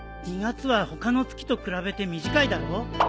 ２月は他の月と比べて短いだろ？